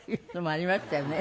ありましたよ。